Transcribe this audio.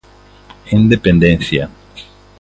En dependencia.